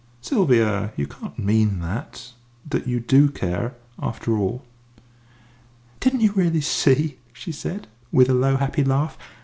"Sylvia! You can't mean that that you do care, after all?" "Didn't you really see?" she said, with a low, happy laugh.